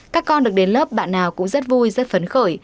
các con được đến lớp bạn nào cũng rất vui rất phấn khởi